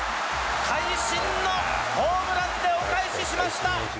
会心のホームランでお返ししました。